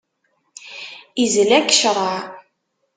Izla-k ccreɛ.